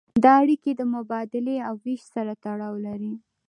دا اړیکې د مبادلې او ویش سره تړاو لري.